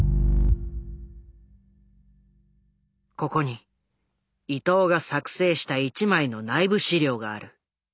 ここに伊藤が作成した一枚の内部資料がある。